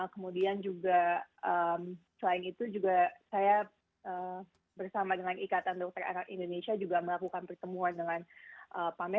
kemudian juga selain itu juga saya bersama dengan ikatan dokter anak indonesia juga melakukan pertemuan dengan pameran